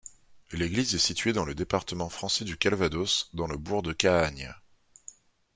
L'église est située dans le département français du Calvados, dans le bourg de Cahagnes.